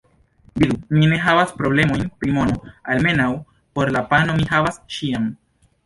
Vidu: mi ne havas problemojn pri mono, almenaŭ por la pano mi havas ĉiam.